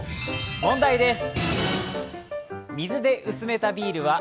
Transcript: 問題です。